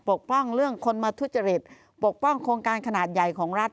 ปกป้องเรื่องคนมาทุจริตปกป้องโครงการขนาดใหญ่ของรัฐ